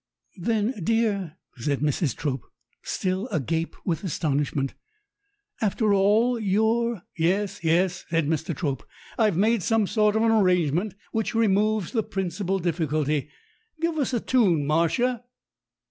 "Then, dear," said Mrs. Trope, still agape with astonishment, "after all, you're " "Yes, yes," said Mr. Trope, "I've made some sort of an arrangement which removes the principal diffi culty. Give us a tune, Martia."